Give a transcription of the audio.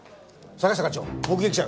坂下課長目撃者が。